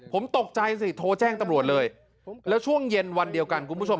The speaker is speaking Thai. ผมตกใจสิโทรแจ้งตำรวจเลยแล้วช่วงเย็นวันเดียวกันคุณผู้ชม